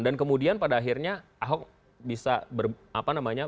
dan kemudian pada akhirnya ahok bisa berapa namanya